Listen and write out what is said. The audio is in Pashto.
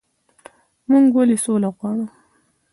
موږ ولې سوله غواړو؟